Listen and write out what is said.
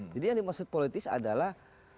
jadi yang dimaksud politis adalah